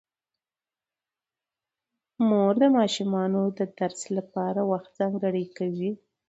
مور د ماشومانو د درس لپاره وخت ځانګړی کوي